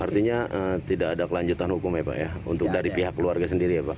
artinya tidak ada kelanjutan hukum ya pak ya untuk dari pihak keluarga sendiri ya pak